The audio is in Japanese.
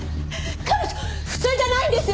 彼女普通じゃないんですよ！